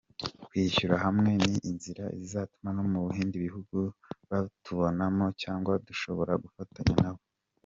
Kwishyira hamwe ni inzira izatuma no mu bindi bihugu batubona cyangwa dushobora gufatanya nabo.